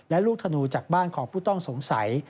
และลูกธนูจากบ้านของผู้ต้องสงสัย